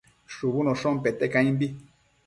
shubunoshon pete caimbi